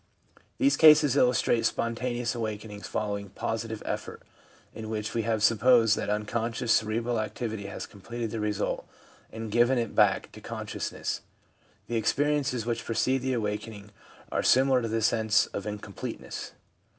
These cases illustrate 'spontaneous awakening ' follow ing positive effort, in which we have supposed that un conscious cerebral activity has completed the result and given it back to consciousness. The experiences which* precede the awakening are similar to the sense of incom pleteness.